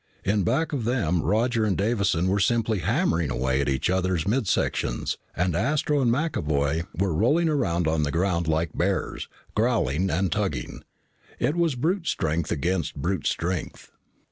In back of them, Roger and Davison were simply hammering away at each other's mid sections, and Astro and McAvoy were rolling around on the ground like bears, growling and tugging. It was brute strength against brute strength.